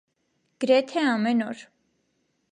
- գրեթե ամեն օր: